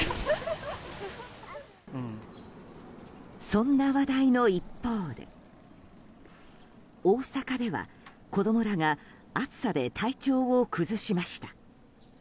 そんな話題の一方で大阪では子供らが暑さで体調を崩しました。